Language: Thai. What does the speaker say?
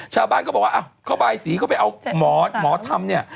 ชาวบ้านก็บอกว่าข้าวบายศรีเขาไปเอาหมอทำเนี่ย